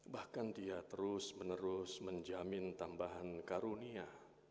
bahkan dia terus menerus menjamin tambahan karunia